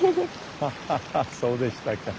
ハッハッハそうでしたか。